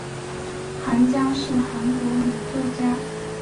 韩江是韩国女作家。